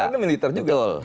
karena dia militer juga